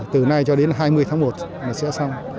từ nay cho đến hai mươi tháng một là sẽ xong